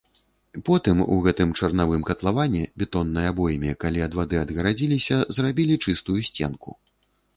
Потым у гэтым чарнавым катлаване, бетоннай абойме, калі ад вады адгарадзіліся, зрабілі чыстую сценку.